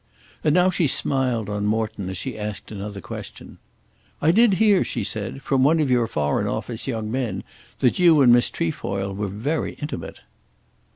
And now she smiled on Morton as she asked another question. "I did hear," she said, "from one of your Foreign Office young men that you and Miss Trefoil were very intimate."